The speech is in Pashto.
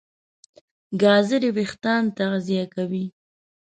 ګازرې وېښتيان تغذیه کوي.